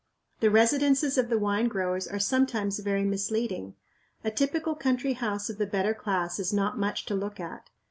The residences of the wine growers are sometimes very misleading. A typical country house of the better class is not much to look at.